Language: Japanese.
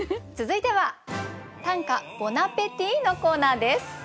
続いては「短歌ボナペティ」のコーナーです。